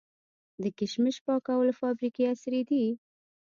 د کشمش پاکولو فابریکې عصري دي؟